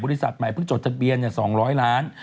บริษัทใหม่เพิ่งจดทะเบียน๒๐๐ล้าน